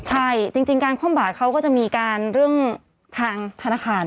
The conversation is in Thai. ใช่จริงการคว่ำบาดเขาก็จะมีการเรื่องทางธนาคาร